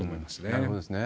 なるほどですね。